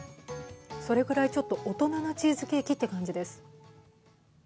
それくらいちょっと大人なチーズケーキという感じです。